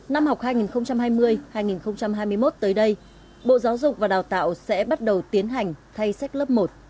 năm học hai nghìn hai mươi hai nghìn hai mươi một tới đây bộ giáo dục và đào tạo sẽ bắt đầu tiến hành thay sách lớp một